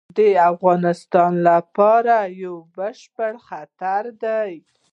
د افغانستان لپاره یو بشپړ خطر دی.